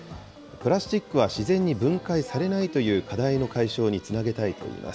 プラスチックは自然に分解されないという課題の解消につなげたいといいます。